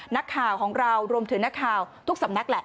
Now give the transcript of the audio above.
นักข่าวของเรารวมถึงนักข่าวทุกสำนักแหละ